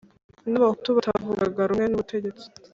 n'abahutu batavugaga rumwe n'ubutegetsi